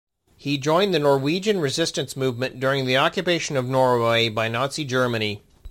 He joined the Norwegian resistance movement during the occupation of Norway by Nazi Germany.